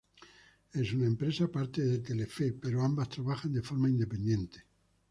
Es una empresa parte de Telefe, pero ambas, trabajan de forma independiente.